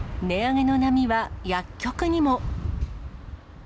値上げの波は薬局にも。